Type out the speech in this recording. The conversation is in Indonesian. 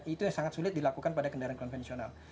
itu yang sangat sulit dilakukan pada kendaraan konvensional